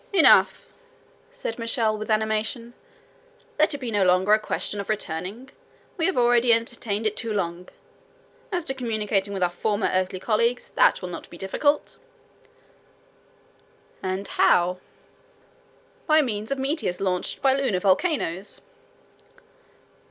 "Enough," said Michel with animation. "Let it be no longer a question of returning: we have already entertained it too long. As to communicating with our former earthly colleagues, that will not be difficult." "And how?" "By means of meteors launched by lunar volcanoes."